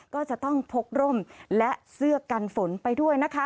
ก็จะต้องพกร่มและเสื้อกันฝนไปด้วยนะคะ